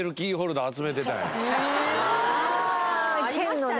ああありましたね。